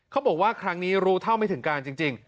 เขาบอกว่าครั้งนี้รู้เท่าไม่ถึงการจริง